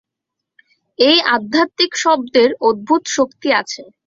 এই আধ্যাত্মিক শব্দের অদ্ভুত শক্তি আছে।